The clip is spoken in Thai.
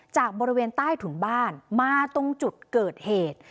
จากบริเวณใต้ถุนบ้านมาตรงจุดเกิดเหตุ